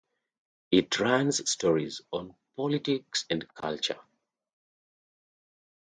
It runs stories on politics and culture.